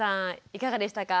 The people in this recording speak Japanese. いかがでしたか？